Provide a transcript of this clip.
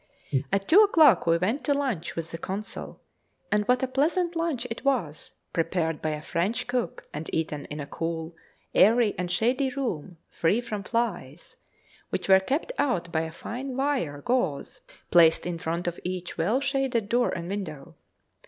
At two o'clock we went to lunch with the Consul, and what a pleasant lunch it was, prepared by a French cook, and eaten in a cool, airy, and shady room free from flies, which were kept out by fine wire gauze placed in front of each well shaded door and window!